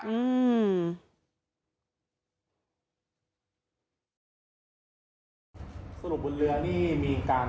อืม